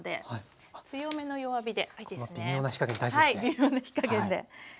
微妙な火加減で。